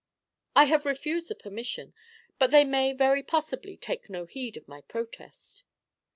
"I have refused the permission; but they may very possibly take no heed of my protest."